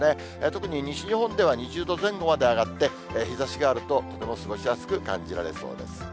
特に、西日本では２０度前後まで上がって、日ざしがあると、とても過ごしやすく感じられそうです。